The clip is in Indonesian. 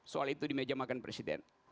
soal itu di meja makan presiden